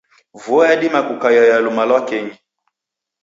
Vua yadima kukaia ya luma lwa kenyi.